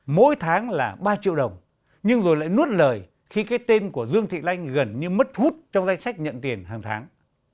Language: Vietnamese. mỗi tháng là ba triệu đồng nhưng rồi lại nuốt lời khi cái tên của dương thị lanh gần như mất hút trong danh sách nhận tiền hàng tháng